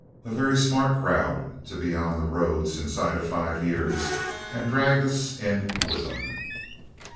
'A very smart crowd to be on the roads inside of five years, and drag us in with 'em.'